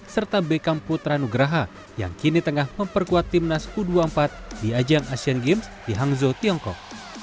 serta bekam putra nugraha yang kini tengah memperkuat timnas u dua puluh empat di ajang asian games di hangzhou tiongkok